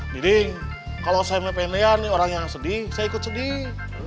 diding kalo saya ppne orang yang sedih saya ikut sedih